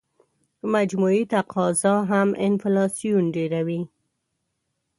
مجموعي تقاضا هم انفلاسیون ډېروي.